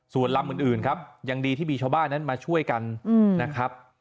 ส่วนลำอื่นครับยังดีที่มีชาวบ้านนั้นมาช่วยกันนะครับ